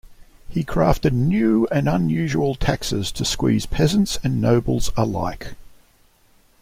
He crafted new and unusual taxes to squeeze peasants and nobles alike.